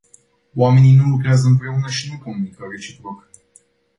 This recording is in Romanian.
Oamenii nu lucrează împreună și nu comunică reciproc.